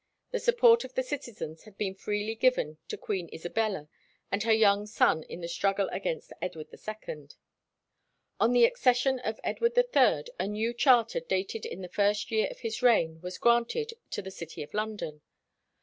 The support of the citizens had been freely given to Queen Isabella and her young son in the struggle against Edward II. On the accession of Edward III a new charter, dated in the first year of his reign, was granted to the city of London.